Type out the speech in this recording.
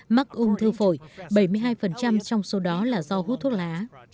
mắc ung thư phổi bảy mươi hai trong số đó là do hút thuốc lá